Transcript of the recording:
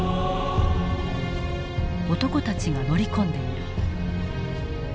「男たちが乗り込んでいる」。